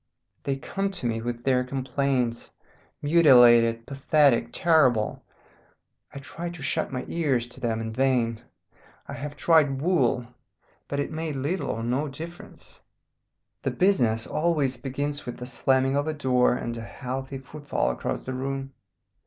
They come to me with their complaints, mutilated, pathetic, terrible. I try to shut my ears to them in vain. I have tried wool, but it made little or no difference. "The business always begins with the slamming of a door and a healthy footfall across the room.